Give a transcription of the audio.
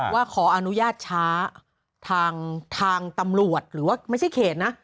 ว่าขออนุญาตช้าทางตำรวจหรือว่าไม่ใช่เขตนะ